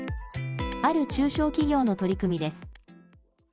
ある中小企業の取り組みです。